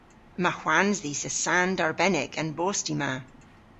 Yma hwans dhis a sand arbennik a'n bosti ma.